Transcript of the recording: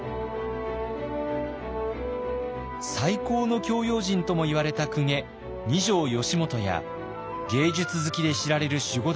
最高の教養人ともいわれた公家二条良基や芸術好きで知られる守護